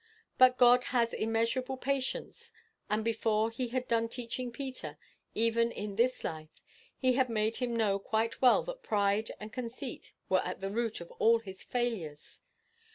But God has immeasurable patience, and before he had done teaching Peter, even in this life, he had made him know quite well that pride and conceit were at the root of all his failures.